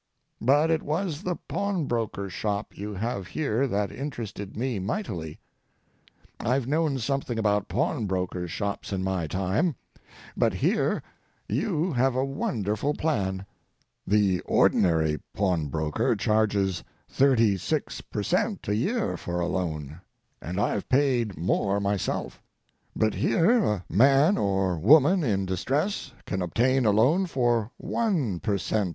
But it was the pawnbroker's shop you have here that interested me mightily. I've known something about pawnbrokers' shops in my time, but here you have a wonderful plan. The ordinary pawnbroker charges thirty six per cent. a year for a loan, and I've paid more myself, but here a man or woman in distress can obtain a loan for one per cent.